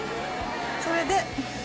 それで。